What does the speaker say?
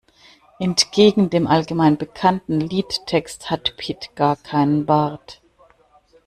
Entgegen dem allgemein bekannten Liedtext hat Pit gar keinen Bart.